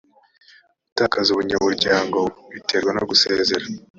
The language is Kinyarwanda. gutakaza ubunyamuryango biterwa no gusezera